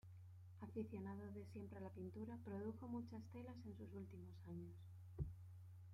Aficionado de siempre a la pintura, produjo muchas telas en sus últimos años.